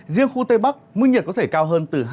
riêng khu tây bắc mức nhiệt có thể cao hơn